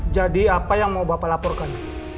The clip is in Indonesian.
jadi apa yang mau bapak laporkan